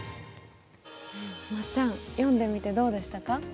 まっちゃん読んでみてどうでしたか？